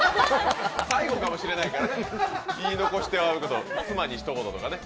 最後かもしれないからね、言い残しておくこと、妻にひと言とかね。